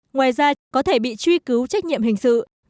ngoài ra chúng có thể bị truy cứu trách nhiệm hình sự